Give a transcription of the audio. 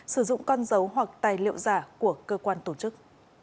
sử dụng con dấu hoặc tài liệu giả của cơ quan tổ chức